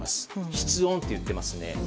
室温と言っていますね。